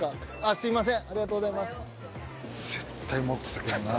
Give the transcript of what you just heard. すいません。